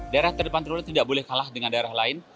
daerah terdepan dulu tidak boleh kalah dengan daerah lain